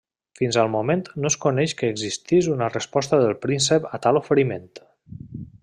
Fins al moment no es coneix que existís una resposta del príncep a tal oferiment.